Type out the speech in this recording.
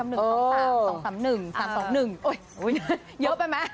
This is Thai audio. มัธบาลอะไรกับ๑๒๓๒๓๑๓๒๑โอ๊ยเยอะไปมั้ย